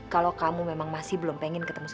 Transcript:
kalau kamu memang masih belum pengen ketemu